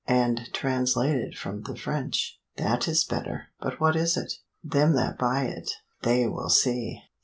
"And translated from the French." "That is better! but what is it?" "Them that buy it they will see!"